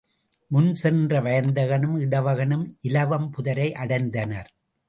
முன் சென்ற வயந்தகனும் இடவகனும் இலவம்புதரை அடைந்தனர்.